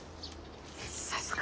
さすが。